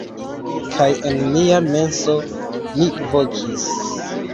Kaj en mia menso, mi vokis: